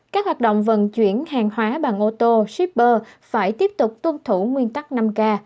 các hoạt động vận chuyển hàng hóa bằng ô tô shipper phải tiếp tục tuân thủ nguyên tắc năm k